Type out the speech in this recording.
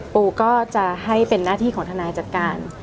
ปูก็จะให้เป็นหน้าที่ของทนายจัดการ